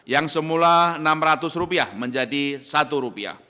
yang semula rp enam ratus menjadi rp satu